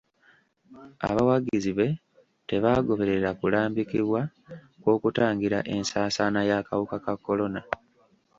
Abawagizi be tebaagoberera kulambikibwa kw'okutangira ensaasaana y'akawuka ka kolona.